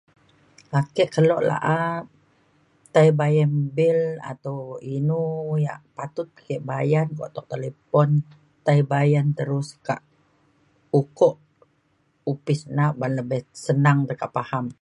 ake kelo la’a tai bayan bil atau inu yak patut ke bayan kuak tuk talipon tai bayan terus kak ukok opis na ban na lebih se- senang te kak paham